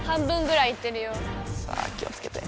さあ気をつけて。